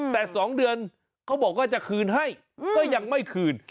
แต่๒เดือนเขาบอกว่าจะคืนให้ก็ยังไม่คืน